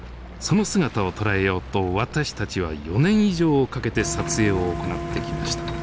その姿を捉えようと私たちは４年以上をかけて撮影を行ってきました。